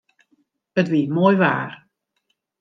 It wie moai waar.